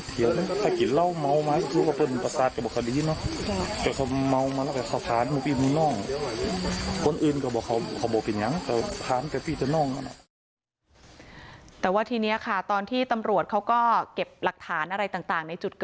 แต่ว่าทีนี้ค่ะตอนที่ตำรวจเขาก็เก็บหลักฐานอะไรต่างในจุดเกิด